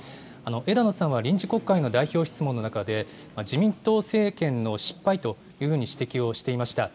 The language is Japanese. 枝野さんは臨時国会の代表質問の中で、自民党政権の失敗というふうに指摘をしていました。